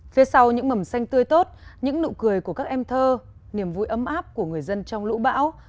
phía sau những mầm xanh tươi tốt những nụ cười của các em thơ niềm vui ấm áp của người dân trong lũ bão